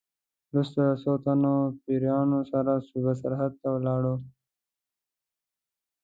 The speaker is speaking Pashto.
وروسته له څو تنو پیروانو سره صوبه سرحد ته ولاړ.